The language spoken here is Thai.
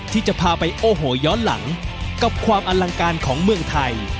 ที่จะพาไปโอ้โหย้อนหลังกับความอลังการของเมืองไทย